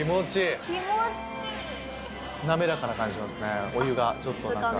滑らかな感じしますね、質感が。